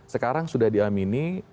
sekarang sudah diamini